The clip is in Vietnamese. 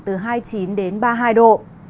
từ hai mươi chín đến ba mươi hai độ